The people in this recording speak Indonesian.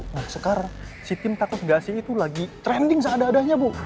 nah sekarang si tim takut gasi itu lagi trending seadah adahnya bu